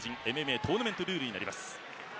トーナメントルールになります。